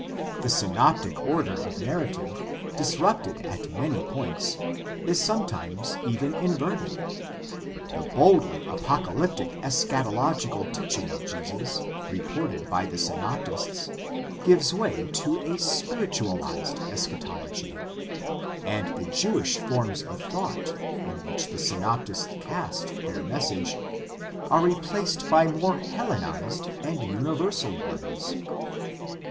The synoptic order of narrative, disrupted at many points, is sometimes even inverted. The boldly apoca lyptic eschatological teaching of Jesus reported by the Synop tists gives way to a spiritualized eschatology, and the Jewish THE STUDY OF THE NEW TESTAMENT 197 forms of thought in which the Synoptists cast their message are replaced by more Hellenized and universal ones.